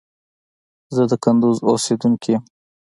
زه د کندوز اوسیدونکي یم